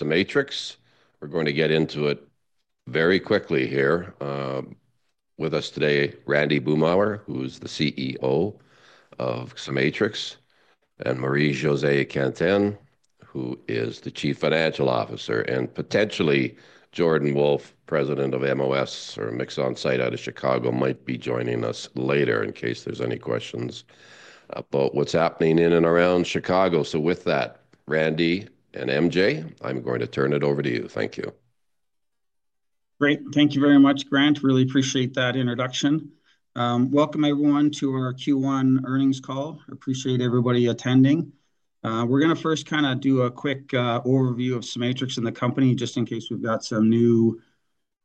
CEMATRIX. We're going to get into it very quickly here. With us today, Randy Boomhour, who's the CEO of CEMATRIX, and Marie-Josée Cantin, who is the Chief Financial Officer, and potentially Jordan Wolfe, President of MixOnSite out of Chicago, might be joining us later in case there's any questions about what's happening in and around Chicago. With that, Randy and MJ, I'm going to turn it over to you. Thank you. Great. Thank you very much, Grant. Really appreciate that introduction. Welcome, everyone, to our Q1 earnings call. Appreciate everybody attending. We're going to first kind of do a quick overview of CEMATRIX and the company, just in case we've got some new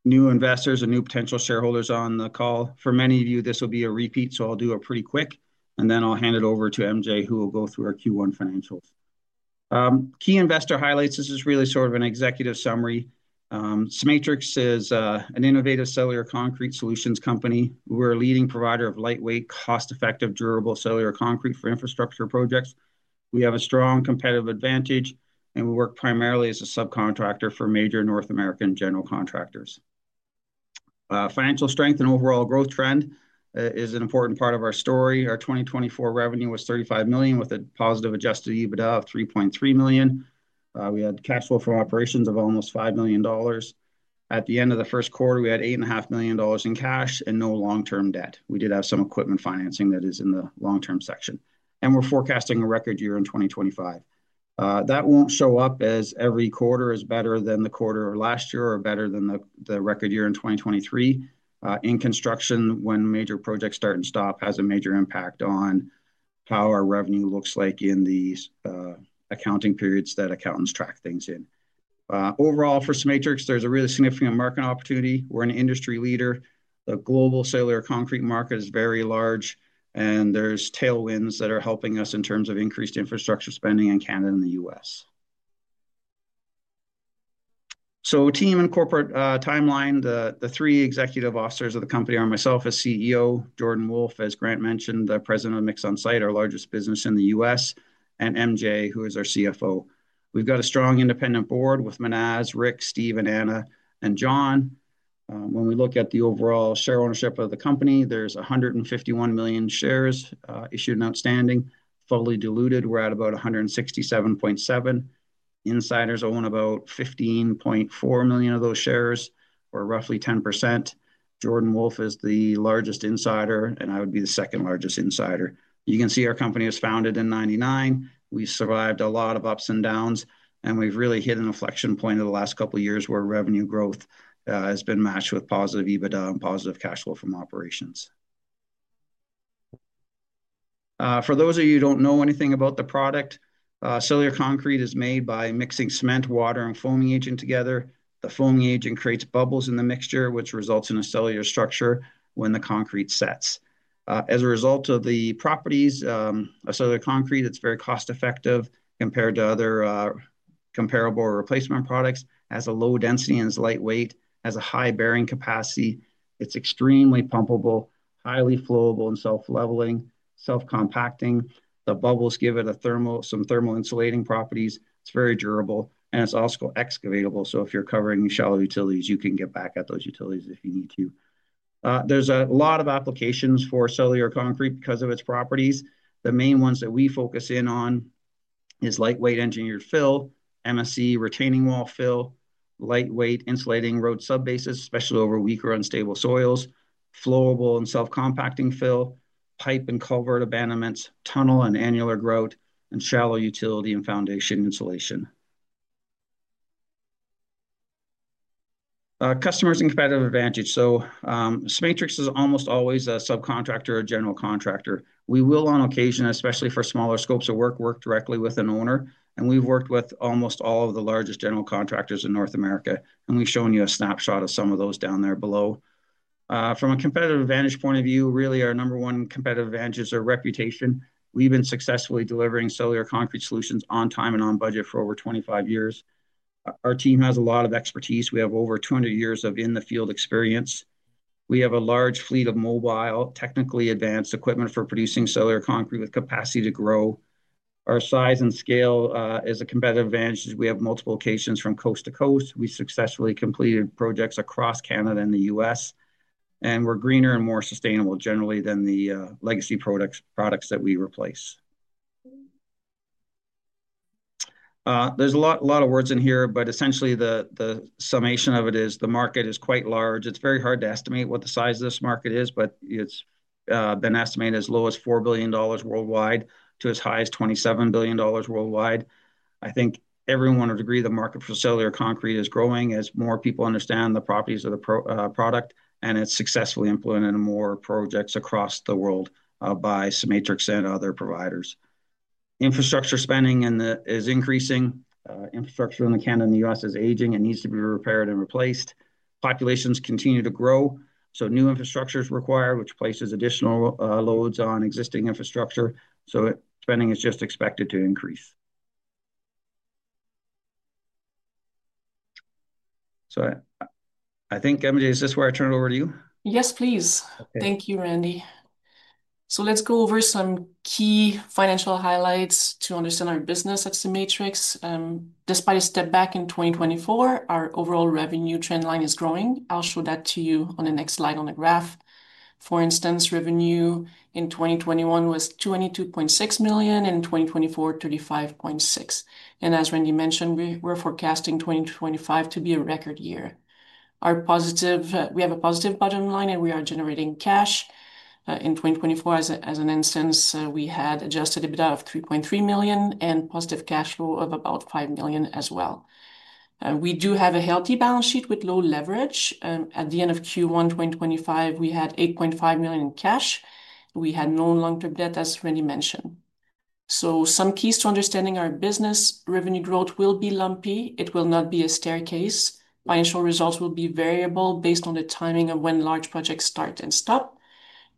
investors or new potential shareholders on the call. For many of you, this will be a repeat, so I'll do it pretty quick, and then I'll hand it over to MJ, who will go through our Q1 financials. Key investor highlights, this is really sort of an executive summary. CEMATRIX is an innovative cellular concrete solutions company. We're a leading provider of lightweight, cost-effective, durable cellular concrete for infrastructure projects. We have a strong competitive advantage, and we work primarily as a subcontractor for major North American general contractors. Financial strength and overall growth trend is an important part of our story. Our 2024 revenue was 35 million, with a positive Adjusted EBITDA of 3.3 million. We had cash flow from operations of almost 5 million dollars. At the end of the first quarter, we had 8.5 million dollars in cash and no long-term debt. We did have some equipment financing that is in the long-term section. We are forecasting a record year in 2025. That will not show up as every quarter is better than the quarter of last year or better than the record year in 2023. In construction, when major projects start and stop, it has a major impact on how our revenue looks like in the accounting periods that accountants track things in. Overall, for CEMATRIX, there is a really significant market opportunity. We are an industry leader. The global cellular concrete market is very large, and there's tailwinds that are helping us in terms of increased infrastructure spending in Canada and the U.S. Team and corporate timeline, the 3 executive officers of the company are myself as CEO, Jordan Wolfe, as Grant mentioned, the President of MixOnSite, our largest business in the U.S., and MJ, who is our CFO. We've got a strong independent board with Menaz, Rick, Steve, Anna, and John. When we look at the overall share ownership of the company, there's 151 million shares issued and outstanding, fully diluted. We're at about 167.7 million. Insiders own about 15.4 million of those shares, or roughly 10%. Jordan Wolfe is the largest insider, and I would be the second largest insider. You can see our company was founded in 1999. We survived a lot of ups and downs, and we've really hit an inflection point in the last couple of years where revenue growth has been matched with positive EBITDA and positive cash flow from operations. For those of you who don't know anything about the product, cellular concrete is made by mixing cement, water, and foaming agent together. The foaming agent creates bubbles in the mixture, which results in a cellular structure when the concrete sets. As a result of the properties, a cellular concrete that's very cost-effective compared to other comparable replacement products has a low density and is lightweight, has a high bearing capacity. It's extremely pumpable, highly flowable, and self-leveling, self-compacting. The bubbles give it some thermal insulating properties. It's very durable, and it's also excavatable. If you're covering shallow utilities, you can get back at those utilities if you need to. There's a lot of applications for cellular concrete because of its properties. The main ones that we focus in on are lightweight engineered fill, MSE retaining wall fill, lightweight insulating road subbases, especially over weak or unstable soils, flowable and self-compacting fill, pipe and culvert abandonments, tunnel and annular grout, and shallow utility and foundation insulation. Customers and competitive advantage. CEMATRIX is almost always a subcontractor or a general contractor. We will, on occasion, especially for smaller scopes of work, work directly with an owner. We've worked with almost all of the largest general contractors in North America. We've shown you a snapshot of some of those down there below. From a competitive advantage point of view, really our number one competitive advantages are reputation. We've been successfully delivering cellular concrete solutions on time and on budget for over 25 years. Our team has a lot of expertise. We have over 200 years of in-the-field experience. We have a large fleet of mobile, technically advanced equipment for producing cellular concrete with capacity to grow. Our size and scale is a competitive advantage. We have multiple locations from coast to coast. We successfully completed projects across Canada and the U.S. We are greener and more sustainable generally than the legacy products that we replace. There is a lot of words in here, but essentially the summation of it is the market is quite large. It is very hard to estimate what the size of this market is, but it has been estimated as low as $4 billion worldwide to as high as $27 billion worldwide. I think everyone would agree the market for cellular concrete is growing as more people understand the properties of the product and it's successfully implemented in more projects across the world by CEMATRIX and other providers. Infrastructure spending is increasing. Infrastructure in Canada and the U.S. is aging and needs to be repaired and replaced. Populations continue to grow. New infrastructure is required, which places additional loads on existing infrastructure. Spending is just expected to increase. I think, MJ, is this where I turn it over to you? Yes, please. Thank you, Randy. Let's go over some key financial highlights to understand our business at CEMATRIX. Despite a step back in 2024, our overall revenue trend line is growing. I'll show that to you on the next slide on the graph. For instance, revenue in 2021 was 22.6 million and in 2024, 35.6 million. As Randy mentioned, we're forecasting 2025 to be a record year. We have a positive bottom line, and we are generating cash. In 2024, as an instance, we had Adjusted EBITDA of 3.3 million and positive cash flow of about 5 million as well. We do have a healthy balance sheet with low leverage. At the end of Q1 2025, we had 8.5 million in cash. We had no long-term debt, as Randy mentioned. Some keys to understanding our business: revenue growth will be lumpy. It will not be a staircase. Financial results will be variable based on the timing of when large projects start and stop.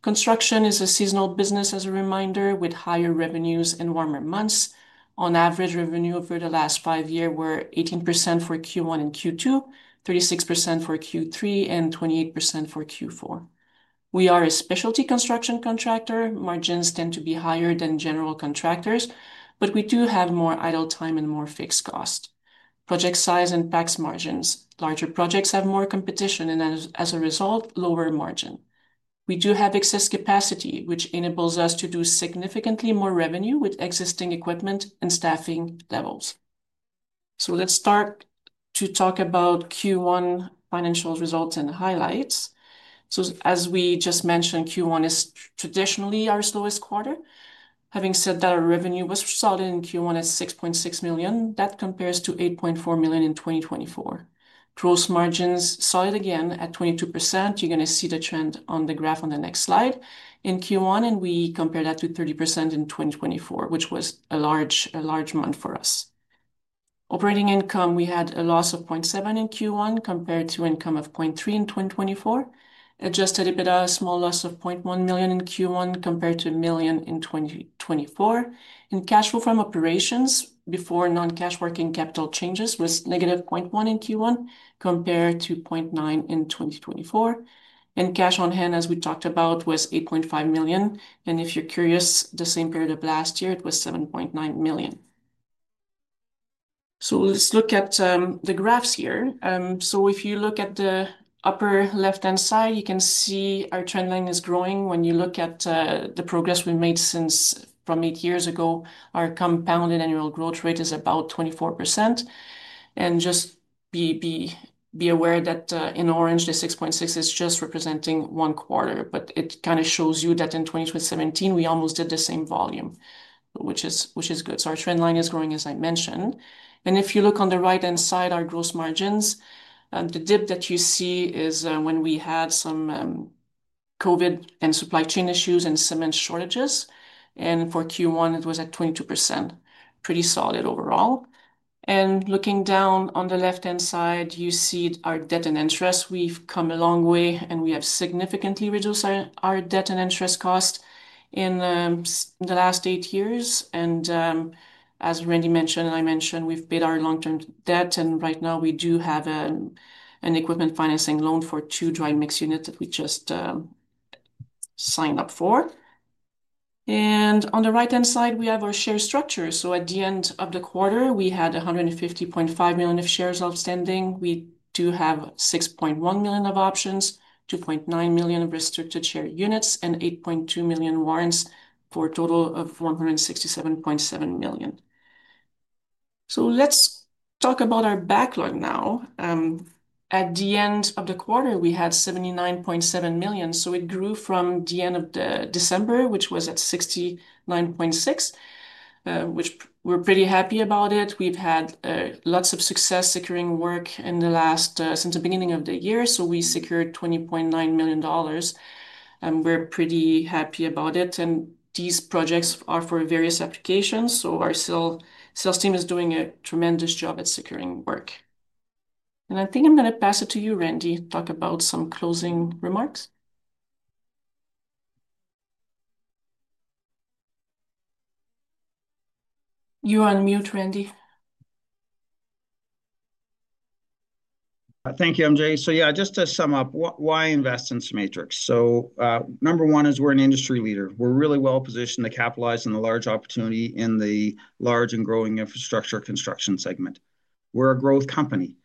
Construction is a seasonal business, as a reminder, with higher revenues in warmer months. On average, revenue over the last 5 years were 18% for Q1 and Q2, 36% for Q3, and 28% for Q4. We are a specialty construction contractor. Margins tend to be higher than general contractors, but we do have more idle time and more fixed cost. Project size impacts margins. Larger projects have more competition and, as a result, lower margin. We do have excess capacity, which enables us to do significantly more revenue with existing equipment and staffing levels. Let's start to talk about Q1 financial results and highlights. As we just mentioned, Q1 is traditionally our slowest quarter. Having said that, our revenue was solid in Q1 at 6.6 million. That compares to 8.4 million in 2024. Gross margins solid again at 22%. You're going to see the trend on the graph on the next slide in Q1, and we compare that to 30% in 2024, which was a large month for us. Operating income, we had a loss of 0.7 million in Q1 compared to income of 0.3 million in 2024. Adjusted EBITDA, a small loss of 0.1 million in Q1 compared to 1 million in 2024. Cash flow from operations before non-cash working capital changes was negative 0.1 million in Q1 compared to 0.9 million in 2024. Cash on hand, as we talked about, was 8.5 million. If you're curious, the same period of last year, it was 7.9 million. Let's look at the graphs here. If you look at the upper left-hand side, you can see our trend line is growing. When you look at the progress we made from eight years ago, our compounded annual growth rate is about 24%. Just be aware that in orange, the 6.6 is just representing one quarter, but it kind of shows you that in 2017, we almost did the same volume, which is good. Our trend line is growing, as I mentioned. If you look on the right-hand side, our gross margins, the dip that you see is when we had some COVID and supply chain issues and cement shortages. For Q1, it was at 22%. Pretty solid overall. Looking down on the left-hand side, you see our debt and interest. We've come a long way, and we have significantly reduced our debt and interest cost in the last eight years. As Randy mentioned, and I mentioned, we've paid our long-term debt. Right now, we do have an equipment financing loan for 2 dry mix units that we just signed up for. On the right-hand side, we have our share structure. At the end of the quarter, we had 150.5 million of shares outstanding. We do have 6.1 million of options, 2.9 million of restricted share units, and 8.2 million warrants for a total of 167.7 million. Let's talk about our backlog now. At the end of the quarter, we had 79.7 million. It grew from the end of December, which was at 69.6 million, which we're pretty happy about. We've had lots of success securing work since the beginning of the year. We secured 20.9 million dollars. We're pretty happy about it. These projects are for various applications. Our sales team is doing a tremendous job at securing work. I think I'm going to pass it to you, Randy, to talk about some closing remarks. You're on mute, Randy. Thank you, MJ. Yeah, just to sum up, why invest in CEMATRIX? Number one is we're an industry leader. We're really well positioned to capitalize on the large opportunity in the large and growing infrastructure construction segment. We're a growth company.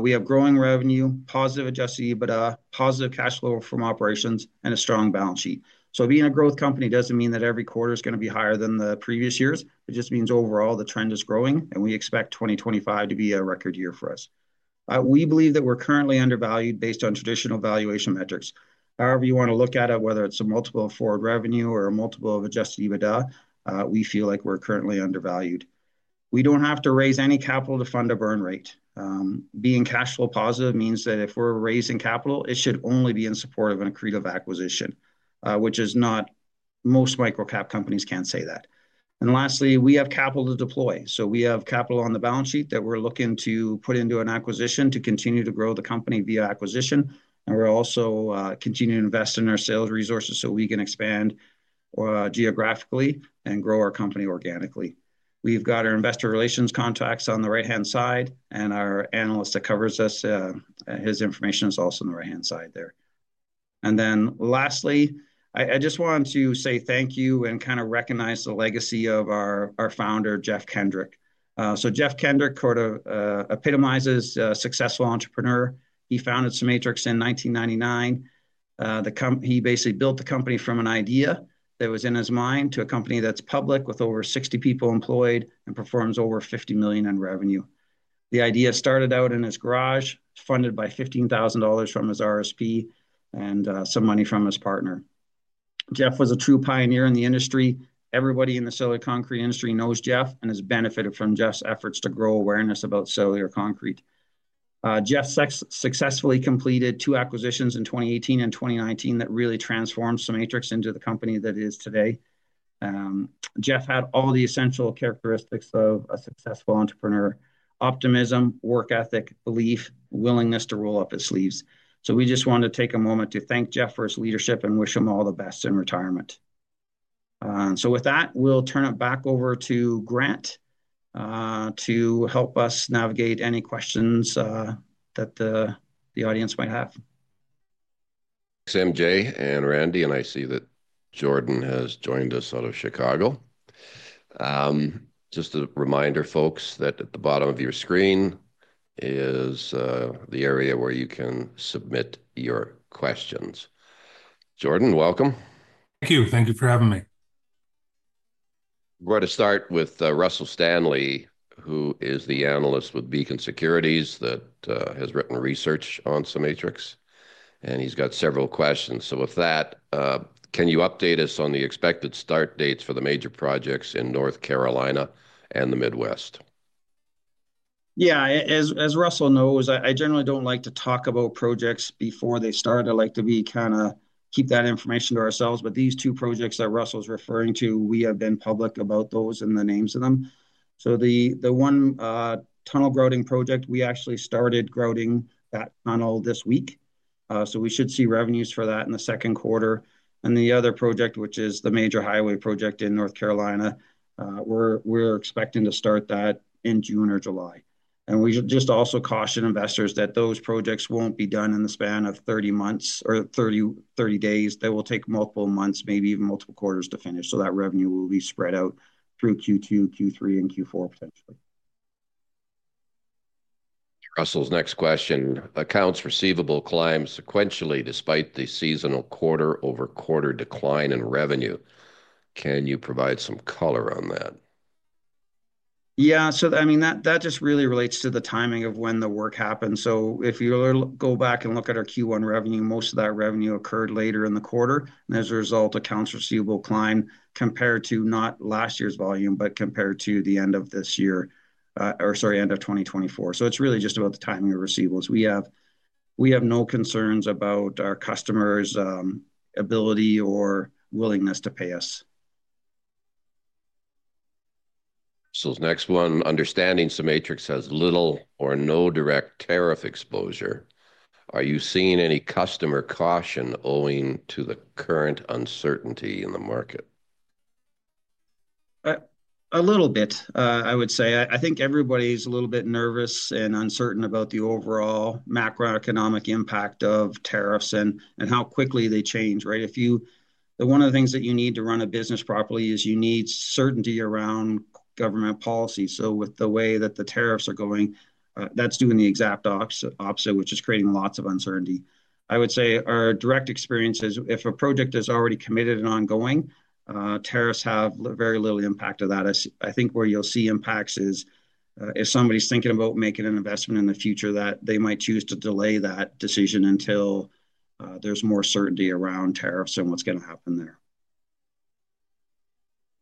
We have growing revenue, positive Adjusted EBITDA, positive cash flow from operations, and a strong balance sheet. Being a growth company doesn't mean that every quarter is going to be higher than the previous years. It just means overall the trend is growing, and we expect 2025 to be a record year for us. We believe that we're currently undervalued based on traditional valuation metrics. However you want to look at it, whether it's a multiple of forward revenue or a multiple of Adjusted EBITDA, we feel like we're currently undervalued. We don't have to raise any capital to fund a burn rate. Being cash flow positive means that if we're raising capital, it should only be in support of an accretive acquisition, which is not most microcap companies can't say that. Lastly, we have capital to deploy. We have capital on the balance sheet that we're looking to put into an acquisition to continue to grow the company via acquisition. We're also continuing to invest in our sales resources so we can expand geographically and grow our company organically. We've got our investor relations contacts on the right-hand side, and our analyst that covers us, his information is also on the right-hand side there. Lastly, I just want to say thank you and kind of recognize the legacy of our founder, Jeff Kendrick. Jeff Kendrick sort of epitomizes a successful entrepreneur. He founded CEMATRIX in 1999. He basically built the company from an idea that was in his mind to a company that's public with over 60 people employed and performs over 50 million in revenue. The idea started out in his garage, funded by 15,000 dollars from his RSP and some money from his partner. Jeff was a true pioneer in the industry. Everybody in the cellular concrete industry knows Jeff and has benefited from Jeff's efforts to grow awareness about cellular concrete. Jeff successfully completed 2 acquisitions in 2018 and 2019 that really transformed CEMATRIX into the company that it is today. Jeff had all the essential characteristics of a successful entrepreneur: optimism, work ethic, belief, willingness to roll up his sleeves. We just wanted to take a moment to thank Jeff for his leadership and wish him all the best in retirement. With that, we'll turn it back over to Grant to help us navigate any questions that the audience might have. Thanks, MJ and Randy. I see that Jordan has joined us out of Chicago. Just a reminder, folks, that at the bottom of your screen is the area where you can submit your questions. Jordan, welcome. Thank you. Thank you for having me. We're going to start with Russell Stanley, who is the analyst with Beacon Securities that has written research on CEMATRIX. He's got several questions. With that, can you update us on the expected start dates for the major projects in North Carolina and the Midwest? Yeah. As Russell knows, I generally do not like to talk about projects before they start. I like to kind of keep that information to ourselves. But these 2 projects that Russell is referring to, we have been public about those and the names of them. The one tunnel grouting project, we actually started grouting that tunnel this week. We should see revenues for that in the second quarter. The other project, which is the major highway project in North Carolina, we are expecting to start that in June or July. We should just also caution investors that those projects will not be done in the span of 30 months or 30 days. They will take multiple months, maybe even multiple quarters to finish. That revenue will be spread out through Q2, Q3, and Q4 potentially. Russell's next question, accounts receivable climb sequentially despite the seasonal quarter-over-quarter decline in revenue. Can you provide some color on that? Yeah. I mean, that just really relates to the timing of when the work happened. If you go back and look at our Q1 revenue, most of that revenue occurred later in the quarter. As a result, accounts receivable climbed compared to not last year's volume, but compared to the end of this year, or, sorry, end of 2024. It is really just about the timing of receivables. We have no concerns about our customers' ability or willingness to pay us. Russell's next one, understanding CEMATRIX has little or no direct tariff exposure. Are you seeing any customer caution owing to the current uncertainty in the market? A little bit, I would say. I think everybody's a little bit nervous and uncertain about the overall macroeconomic impact of tariffs and how quickly they change, right? One of the things that you need to run a business properly is you need certainty around government policy. With the way that the tariffs are going, that's doing the exact opposite, which is creating lots of uncertainty. I would say our direct experience is if a project is already committed and ongoing, tariffs have very little impact on that. I think where you'll see impacts is if somebody's thinking about making an investment in the future, that they might choose to delay that decision until there's more certainty around tariffs and what's going to happen there.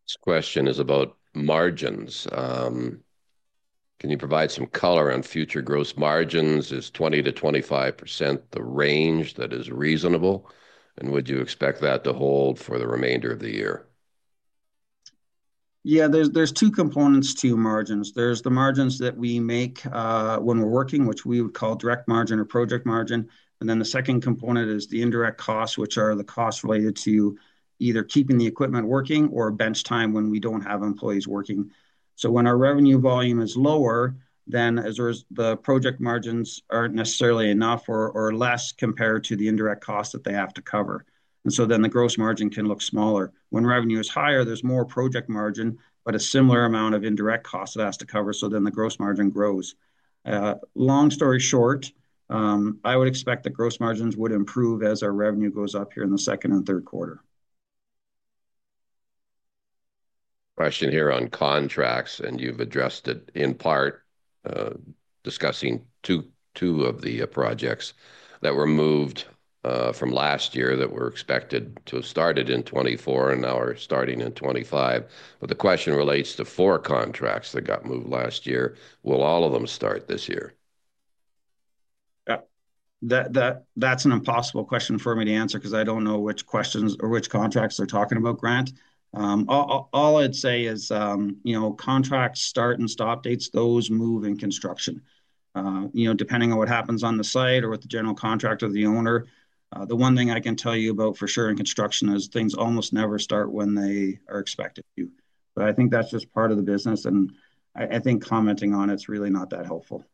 Next question is about margins. Can you provide some color on future gross margins? Is 20-25% the range that is reasonable? And would you expect that to hold for the remainder of the year? Yeah. There are 2 components to margins. There are the margins that we make when we are working, which we would call direct margin or project margin. The second component is the indirect costs, which are the costs related to either keeping the equipment working or bench time when we do not have employees working. When our revenue volume is lower, then the project margins are not necessarily enough or are less compared to the indirect costs that they have to cover. The gross margin can look smaller. When revenue is higher, there is more project margin, but a similar amount of indirect costs it has to cover. The gross margin grows. Long story short, I would expect that gross margins would improve as our revenue goes up here in the second and third quarter. Question here on contracts, and you've addressed it in part discussing 2 of the projects that were moved from last year that were expected to have started in 2024 and now are starting in 2025. The question relates to 4 contracts that got moved last year. Will all of them start this year? Yeah. That's an impossible question for me to answer because I don't know which questions or which contracts they're talking about, Grant. All I'd say is contracts start and stop dates, those move in construction. Depending on what happens on the site or with the general contractor, the owner, the one thing I can tell you about for sure in construction is things almost never start when they are expected to. I think that's just part of the business. I think commenting on it's really not that helpful.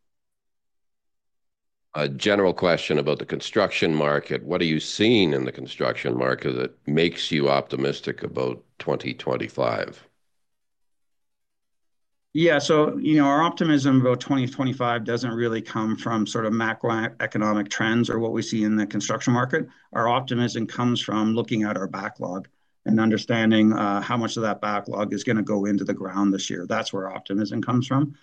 A general question about the construction market. What are you seeing in the construction market that makes you optimistic about 2025? Yeah. Our optimism about 2025 does not really come from sort of macroeconomic trends or what we see in the construction market. Our optimism comes from looking at our backlog and understanding how much of that backlog is going to go into the ground this year. That is where optimism comes from.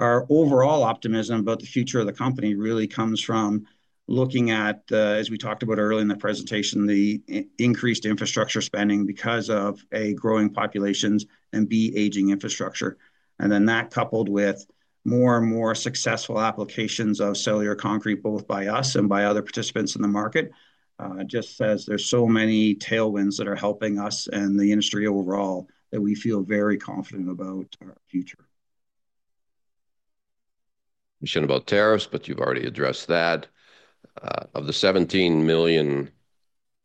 Our overall optimism about the future of the company really comes from looking at, as we talked about earlier in the presentation, the increased infrastructure spending because of, A, growing populations, and, B, aging infrastructure. That coupled with more and more successful applications of cellular concrete, both by us and by other participants in the market, just says there are so many tailwinds that are helping us and the industry overall that we feel very confident about our future. Question about tariffs, but you've already addressed that. Of the 17 million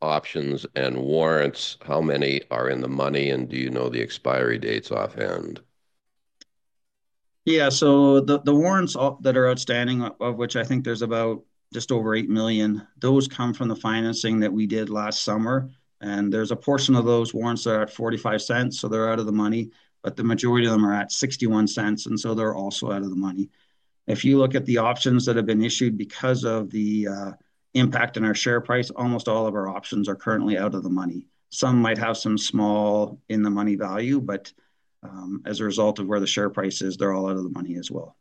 options and warrants, how many are in the money? And do you know the expiry dates offhand? Yeah. The warrants that are outstanding, of which I think there's about just over 8 million, those come from the financing that we did last summer. There's a portion of those warrants that are at $0.45, so they're out of the money. The majority of them are at $0.61, and so they're also out of the money. If you look at the options that have been issued because of the impact on our share price, almost all of our options are currently out of the money. Some might have some small in-the-money value, but as a result of where the share price is, they're all out of the money as well.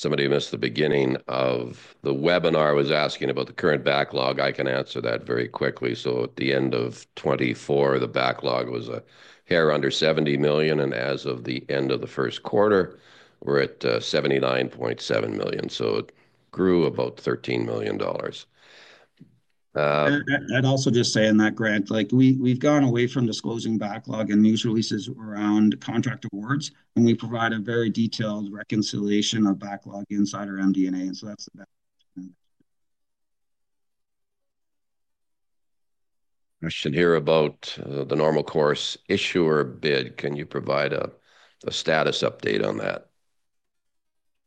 Somebody who missed the beginning of the webinar was asking about the current backlog. I can answer that very quickly. At the end of 2024, the backlog was a hair under 70 million. As of the end of the first quarter, we are at 79.7 million. It grew about 13 million dollars. I'd also just say in that, Grant, we've gone away from disclosing backlog in news releases around contract awards. We provide a very detailed reconciliation of backlog inside our MD&A. That's the backlog. Question here about the normal course issuer bid. Can you provide a status update on that?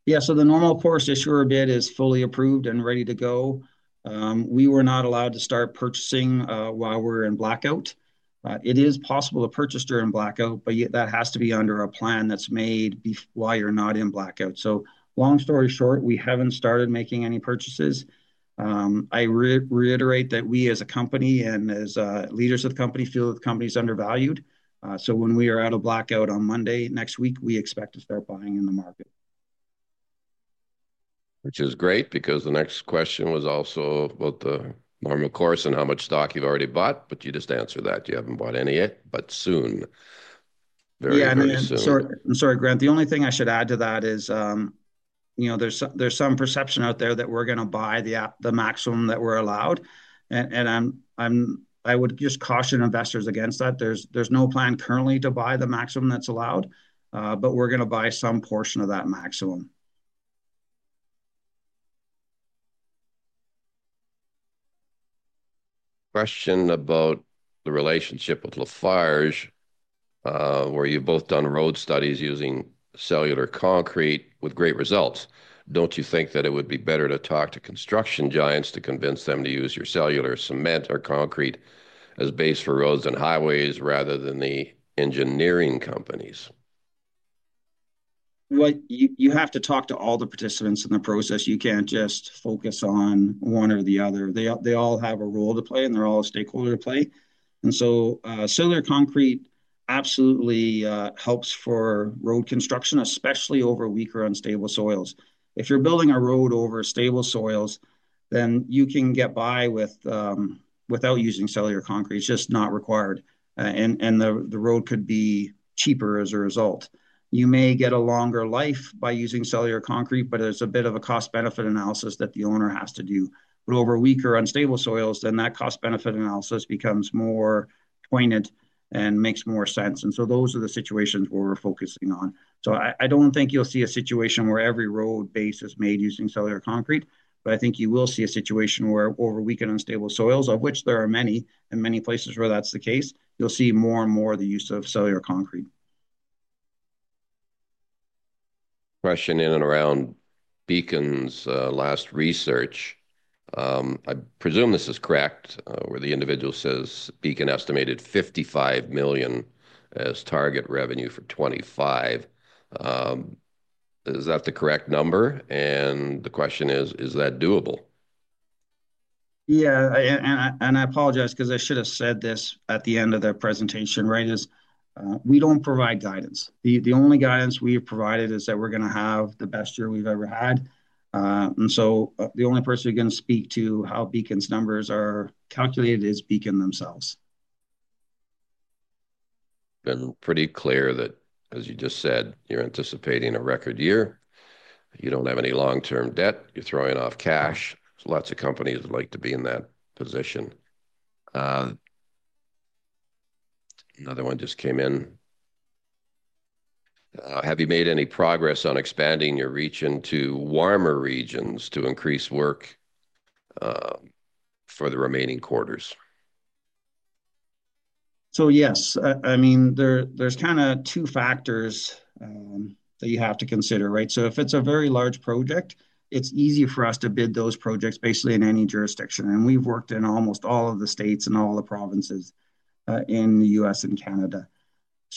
Yeah. The normal course issuer bid is fully approved and ready to go. We were not allowed to start purchasing while we are in blackout. It is possible to purchase during blackout, but that has to be under a plan that is made while you are not in blackout. Long story short, we have not started making any purchases. I reiterate that we as a company and as leaders of the company feel the company is undervalued. When we are out of blackout on Monday next week, we expect to start buying in the market. Which is great because the next question was also about the normal course and how much stock you've already bought, but you just answered that. You haven't bought any yet, but soon. Very, very soon. Yeah. I'm sorry, Grant. The only thing I should add to that is there's some perception out there that we're going to buy the maximum that we're allowed. I would just caution investors against that. There's no plan currently to buy the maximum that's allowed, but we're going to buy some portion of that maximum. Question about the relationship with Lafarge. Where you've both done road studies using cellular concrete with great results, don't you think that it would be better to talk to construction giants to convince them to use your cellular cement or concrete as base for roads and highways rather than the engineering companies? You have to talk to all the participants in the process. You can't just focus on one or the other. They all have a role to play, and they're all a stakeholder to play. Cellular concrete absolutely helps for road construction, especially over weak or unstable soils. If you're building a road over stable soils, then you can get by without using cellular concrete. It's just not required. The road could be cheaper as a result. You may get a longer life by using cellular concrete, but there's a bit of a cost-benefit analysis that the owner has to do. Over weak or unstable soils, that cost-benefit analysis becomes more pointed and makes more sense. Those are the situations where we're focusing on. I don't think you'll see a situation where every road base is made using cellular concrete. I think you will see a situation where over weak and unstable soils, of which there are many and many places where that's the case, you'll see more and more the use of cellular concrete. Question in and around Beacon's last research. I presume this is correct where the individual says Beacon estimated 55 million as target revenue for 2025. Is that the correct number? The question is, is that doable? Yeah. I apologize because I should have said this at the end of their presentation, right, is we do not provide guidance. The only guidance we have provided is that we are going to have the best year we have ever had. The only person you are going to speak to about how Beacon's numbers are calculated is Beacon themselves. Been pretty clear that, as you just said, you're anticipating a record year. You don't have any long-term debt. You're throwing off cash. Lots of companies would like to be in that position. Another one just came in. Have you made any progress on expanding your reach into warmer regions to increase work for the remaining quarters? Yes. I mean, there's of 2 factors that you have to consider, right? If it's a very large project, it's easy for us to bid those projects basically in any jurisdiction. We've worked in almost all of the states and all the provinces in the US and Canada.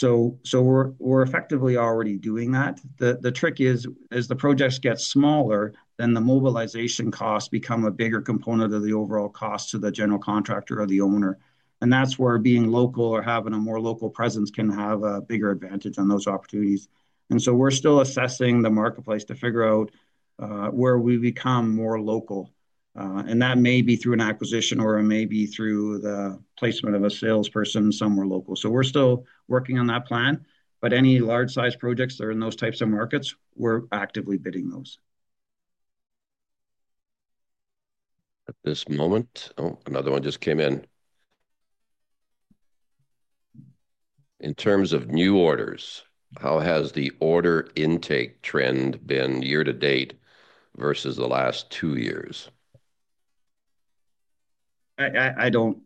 We're effectively already doing that. The trick is, as the projects get smaller, then the mobilization costs become a bigger component of the overall cost to the general contractor or the owner. That's where being local or having a more local presence can have a bigger advantage on those opportunities. We're still assessing the marketplace to figure out where we become more local. That may be through an acquisition or it may be through the placement of a salesperson somewhere local. We're still working on that plan. Any large-sized projects that are in those types of markets, we're actively bidding those. At this moment, oh, another one just came in. In terms of new orders, how has the order intake trend been year to date versus the last 2 years? I don't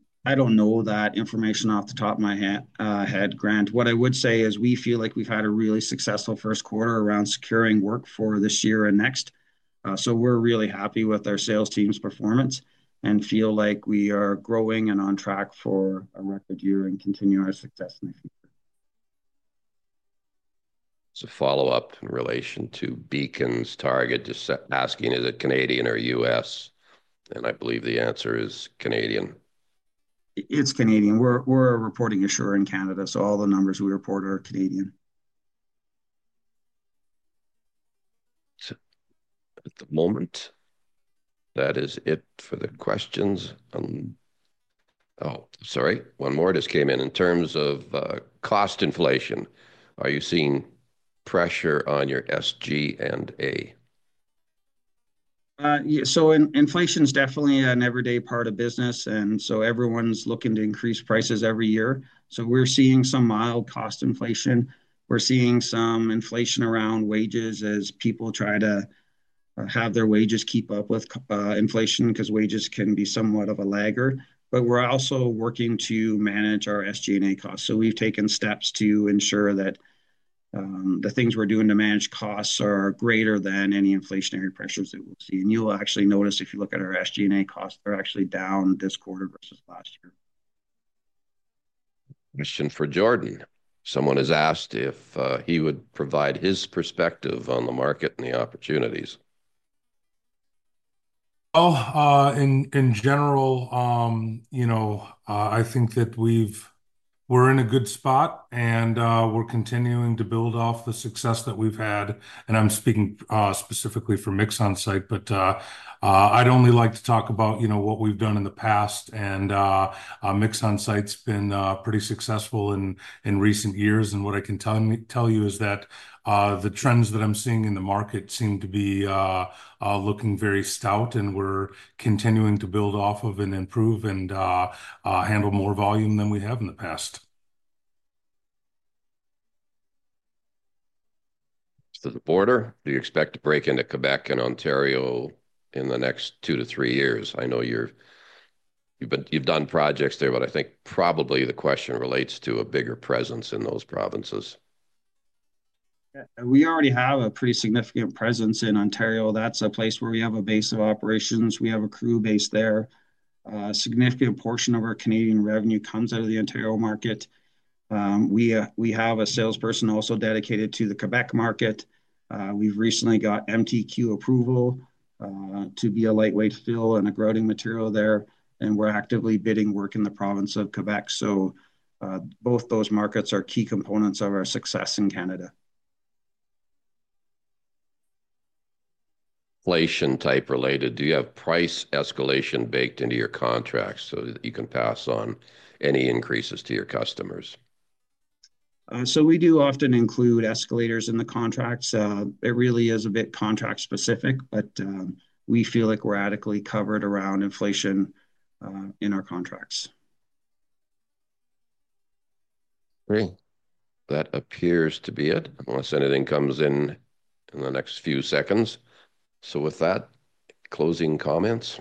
know that information off the top of my head, Grant. What I would say is we feel like we've had a really successful first quarter around securing work for this year and next. So we're really happy with our sales team's performance and feel like we are growing and on track for a record year and continue our success in the future. Follow-up in relation to Beacon's target, just asking, is it Canadian or US? I believe the answer is Canadian. It's Canadian. We're a reporting issuer in Canada, so all the numbers we report are Canadian. At the moment, that is it for the questions. Oh, sorry. One more just came in. In terms of cost inflation, are you seeing pressure on your SG&A? Inflation is definitely an everyday part of business. Everyone's looking to increase prices every year. We're seeing some mild cost inflation. We're seeing some inflation around wages as people try to have their wages keep up with inflation because wages can be somewhat of a lagger. We're also working to manage our SG&A costs. We've taken steps to ensure that the things we're doing to manage costs are greater than any inflationary pressures that we'll see. You'll actually notice if you look at our SG&A costs, they're actually down this quarter versus last year. Question for Jordan. Someone has asked if he would provide his perspective on the market and the opportunities. I think that we're in a good spot, and we're continuing to build off the success that we've had. I'm speaking specifically for MixOnSite, but I'd only like to talk about what we've done in the past. MixOnSite's been pretty successful in recent years. What I can tell you is that the trends that I'm seeing in the market seem to be looking very stout, and we're continuing to build off of and improve and handle more volume than we have in the past. To the border, do you expect to break into Quebec and Ontario in the next 2 to 3 years? I know you've done projects there, but I think probably the question relates to a bigger presence in those provinces. We already have a pretty significant presence in Ontario. That's a place where we have a base of operations. We have a crew base there. A significant portion of our Canadian revenue comes out of the Ontario market. We have a salesperson also dedicated to the Quebec market. We've recently got MTQ approval to be a lightweight fill and a grouting material there. We are actively bidding work in the province of Quebec. Both those markets are key components of our success in Canada. Inflation-type related, do you have price escalation baked into your contracts so that you can pass on any increases to your customers? We do often include escalators in the contracts. It really is a bit contract-specific, but we feel like we're adequately covered around inflation in our contracts. Great. That appears to be it unless anything comes in in the next few seconds. With that, closing comments?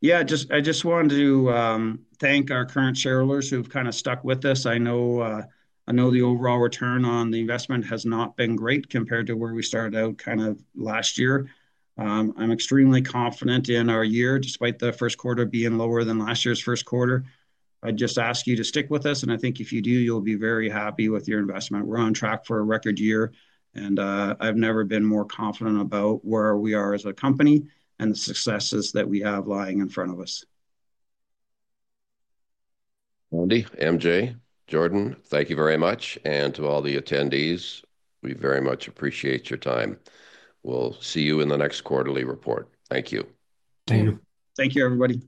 Yeah. I just wanted to thank our current shareholders who have kind of stuck with us. I know the overall return on the investment has not been great compared to where we started out kind of last year. I'm extremely confident in our year, despite the first quarter being lower than last year's first quarter. I'd just ask you to stick with us. I think if you do, you'll be very happy with your investment. We're on track for a record year. I've never been more confident about where we are as a company and the successes that we have lying in front of us. Randy, MJ, Jordan, thank you very much. To all the attendees, we very much appreciate your time. We'll see you in the next quarterly report. Thank you. Thank you. Thank you, everybody.